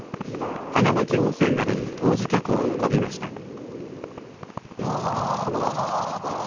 花巻温泉などに湯治客を運びました。